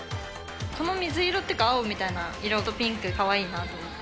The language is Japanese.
この水色っていうか、青と色とピンク、かわいいなと思って。